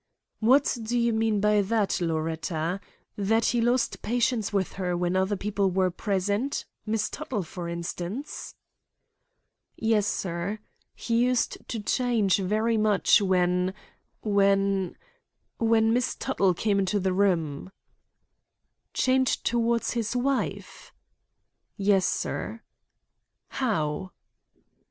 "What do you mean by that, Loretta; that he lost patience with her when other people were present—Miss Tuttle, for instance?" "Yes, sir. He used to change very much when—when—when Miss Tuttle came into the room." "Change toward his wife?" "Yes, sir." "How?"